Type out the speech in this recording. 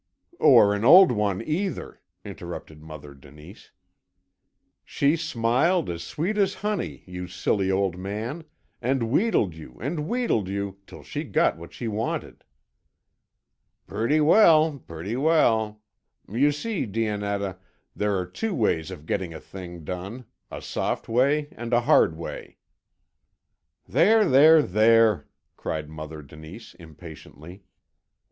"Or an old one either," interrupted Mother Denise. "She smiled as sweet as honey you silly old man and wheedled you, and wheedled you, till she got what she wanted." "Pretty well, pretty well. You see, Dionetta, there are two ways of getting a thing done, a soft way and a hard way." "There, there, there!" cried Mother Denise impatiently.